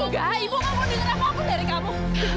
enggak ibu mau mendengar apa apa dari kamu